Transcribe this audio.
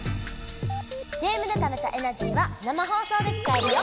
ゲームでためたエナジーは生放送で使えるよ！